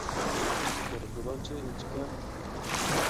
پۇتلىرىم نېمانچە ئىنچىكە؟!